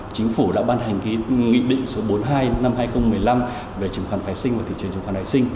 chính phủ đã ban hành nghị định số bốn mươi hai năm hai nghìn một mươi năm về chứng khoán phai sinh